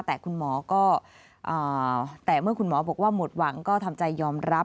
แต่คุณหมอก็แต่เมื่อคุณหมอบอกว่าหมดหวังก็ทำใจยอมรับ